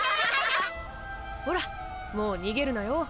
ほらもう逃げるなよ